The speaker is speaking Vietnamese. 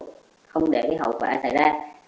để không để hậu quả xảy ra